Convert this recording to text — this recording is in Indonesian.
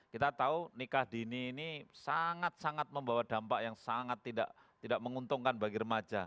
kita tahu nikah dini ini sangat sangat membawa dampak yang sangat tidak menguntungkan bagi remaja